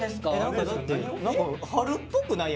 何か春っぽくない。